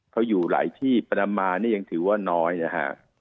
เขาอยู่หลายที่ปรมานี่ยังถือว่าน้อยนะฮะ